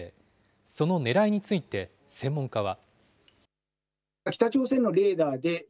そのねらいについて専門家は。